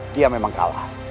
dia memang kalah